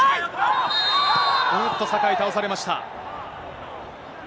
おっと、酒井倒されました。